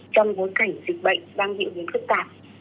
trong bối cảnh dịch bệnh đang diễn biến phức tạp